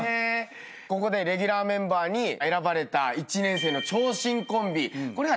ここでレギュラーメンバーに選ばれた１年生の長身コンビ。